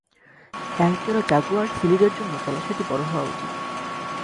এক জোড়া জাগুয়ার সিলিডের জন্য জলাশয়টি বড় হওয়া উচিত।